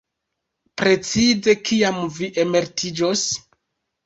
Precize kiam vi emeritiĝos?